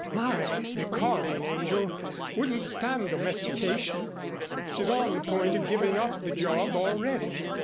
My recording angel wouldn't stand domestication. She's on the point of giving up the job already.